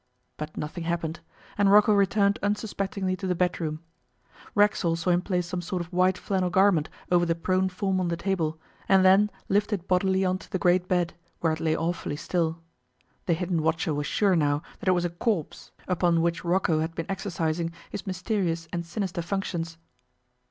But nothing happened, and Rocco returned unsuspectingly to the bedroom. Racksole saw him place some sort of white flannel garment over the prone form on the table, and then lift it bodily on to the great bed, where it lay awfully still. The hidden watcher was sure now that it was a corpse upon which Rocco had been exercising his mysterious and sinister functions.